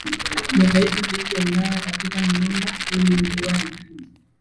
mataifa mengine ya Ulaya Katika miongo iliyofuata